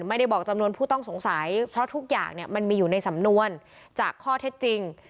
ไม่ได้บอกจำนวนผู้ต้องสงสัยเพราะทุกอย่างมันมีอยู่ในสำนวนจากข้อเท็จจริง